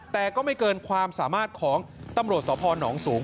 แต่ก็ไม่เกินความสามารถของตำรวจสพนสูง